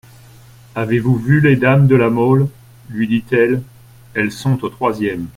Avez-vous vu les dames de La Mole, lui dit-elle, elles sont aux troisièmes.